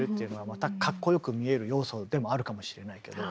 またかっこよく見える要素でもあるかもしれないけど。